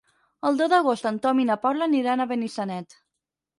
El deu d'agost en Tom i na Paula aniran a Benissanet.